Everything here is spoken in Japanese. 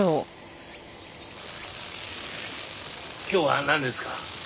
今日はなんですか？